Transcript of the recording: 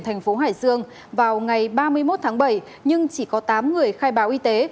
thành phố hải dương vào ngày ba mươi một tháng bảy nhưng chỉ có tám người khai báo y tế